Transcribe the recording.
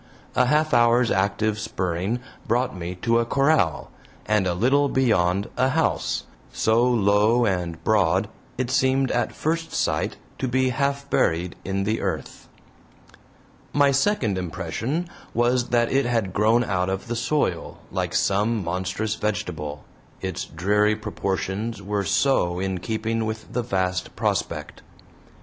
A half hour's active spurring brought me to a corral, and a little beyond a house, so low and broad it seemed at first sight to be half buried in the earth. My second impression was that it had grown out of the soil, like some monstrous vegetable, its dreary proportions were so in keeping with the vast prospect.